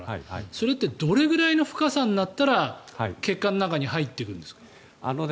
それってどれぐらいの深さになったら血管の中に入っていくんですか？